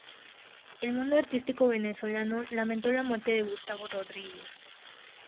El mundo artístico venezolano lamentó la muerte de Gustavo Rodríguez.